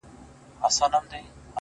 گلي نن بيا راته راياده سولې!